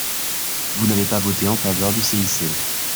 Vous n’avez pas voté en faveur du CICE